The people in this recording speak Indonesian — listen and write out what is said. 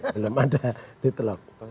belum ada detlog